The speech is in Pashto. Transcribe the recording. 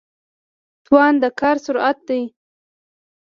توان د کار سرعت دی.